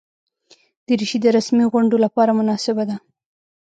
دریشي د رسمي غونډو لپاره مناسبه ده.